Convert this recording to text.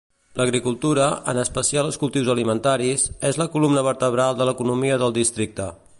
L'agricultura, en especial els cultius alimentaris, és la columna vertebral de l'economia del districte.